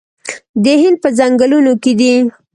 د هند په ځنګلونو کې دي